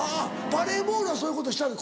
バレーボールはそういうことしたの？